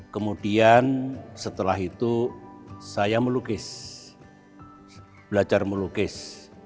kemudian setelah itu saya melukis belajar melukis